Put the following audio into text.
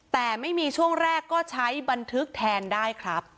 แต่ไม่มีช่วงแรกก็ใช้บันทึกแทนได้ครับ